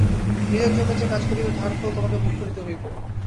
নিজের জন্য যে কাজ করিবে, তাহার ফল তোমাকে ভোগ করিতে হইবে।